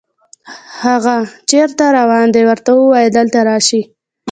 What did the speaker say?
هاغه چېرته روان ده، ورته ووایه دلته راشي